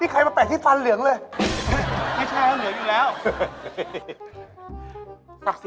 เขาแค่มีโรค๒ใบ